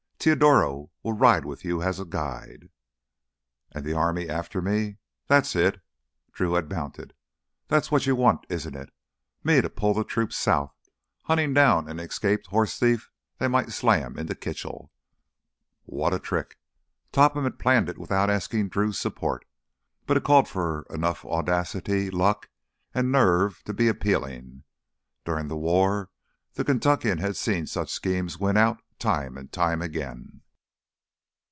Teodoro will ride with you as guide." "And the army after me. That's it!" Drew had mounted. "That's what you want, isn't it? Me to pull the troops south? Huntin' down an escaped horse thief they might slam into Kitchell...." What a trick! Topham had planned it without asking Drew's support. But it called for enough audacity, luck, and nerve to be appealing. During the war the Kentuckian had seen such schemes win out time and time again.